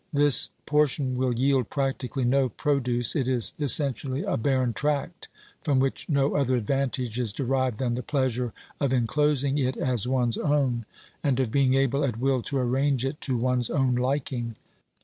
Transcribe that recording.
This portion will yield practically no produce ; it is essentially a barren tract from which no other advantage is derived than the pleasure of enclosing it as one's own, and of being able at will to arrange it to one's own liking.